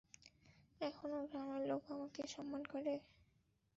এখনো গ্রামের লোক আমাকে সম্মান করে?